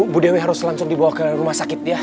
bu dewi harus langsung dibawa ke rumah sakit dia